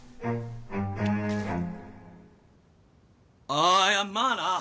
ああいやまあな。